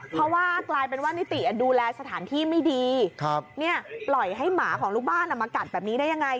เพราะว่ากลายเป็นว่านิติดูแลสถานที่ไม่ดีปล่อยให้หมาของลูกบ้านมากัดแบบนี้ได้ยังไง